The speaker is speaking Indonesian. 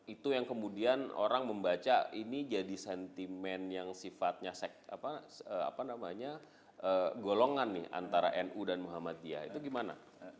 itu yang kemudian orang membaca ini jadi sentimen yang sifatnya golongan nih antara nu dan muhammadiyah itu gimana